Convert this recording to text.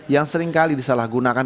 yang seringkali disalahgunakan